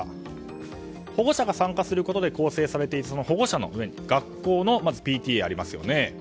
保護者が参加することで構成されている保護者の上に学校のＰＴＡがありますよね